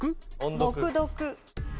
黙読。